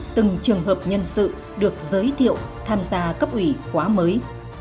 từng trường hợp nhân sự được giới thiệu tham gia cấp ủy khóa mới